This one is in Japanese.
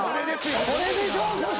これでしょ。